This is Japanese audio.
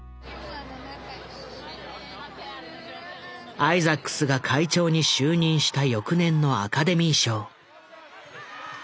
アイザックスが会長に就任した翌年のアカデミー賞。